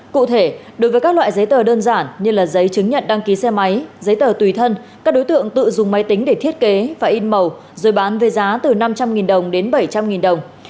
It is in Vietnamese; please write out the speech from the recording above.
cụ thể đối với các loại giấy tờ đơn giản như giấy chứng nhận đăng ký xe máy giấy tờ tùy thân các đối tượng tự dùng máy tính để thiết kế và in màu rồi bán về giá từ năm trăm linh đồng đến bảy trăm linh đồng